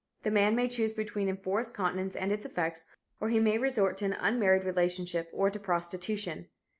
The man may choose between enforced continence and its effects, or he may resort to an unmarried relationship or to prostitution.